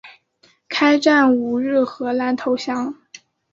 开战五日荷兰投降。